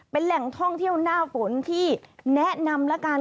เป็นแหล่งท่องเที่ยวหน้าฝนที่แนะนำแล้วกัน